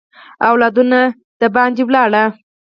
اولادونه بهر ولاړ.